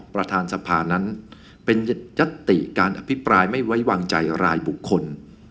ประธานสภานั้นเป็นยัตติการอภิปรายไม่ไว้วางใจรายบุคคล